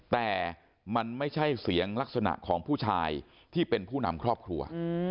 แต่มันไม่ใช่เสียงลักษณะของผู้ชายที่เป็นผู้นำครอบครัว